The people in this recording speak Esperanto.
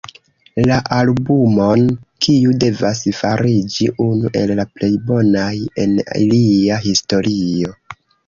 La albumon, kiu devas fariĝi unu el la plej bonaj en ilia historio.